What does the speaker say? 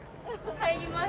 帰ります。